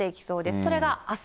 それがあす。